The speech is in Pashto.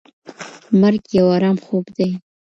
مرګ یو ارام خوب دی.